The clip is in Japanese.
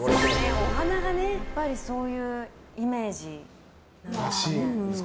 やっぱりそういうイメージなんですね。